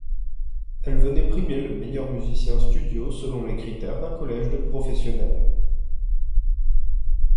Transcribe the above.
Elle venait primer le meilleur musicien studio selon les critères d'un collège de professionnels.